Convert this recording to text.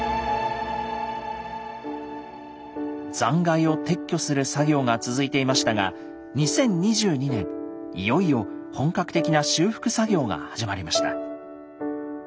残骸を撤去する作業が続いていましたが２０２２年いよいよ本格的な修復作業が始まりました。